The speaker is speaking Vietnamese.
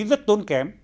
rất tốn kém